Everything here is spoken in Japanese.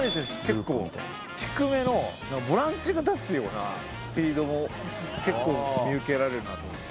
結構低めのボランチが出すようなフィードを結構見受けられるなと思って。